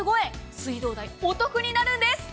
水道代、お得になるんです。